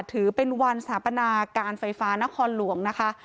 ถือเป็นวันสถาปนาการไฟฟ้านครหลวงนะคะ